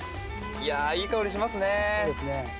いやー、いい香りしますね。